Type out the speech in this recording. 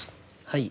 はい。